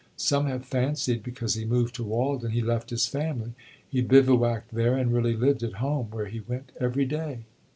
Some have fancied, because he moved to Walden, he left his family. He bivouacked there and really lived at home, where he went every day."